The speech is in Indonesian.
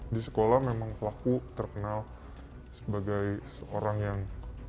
di sekolah memang pelaku terkenal sebagai seorang yang